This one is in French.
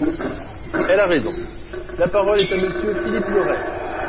Elle a raison ! La parole est à Monsieur Philippe Le Ray.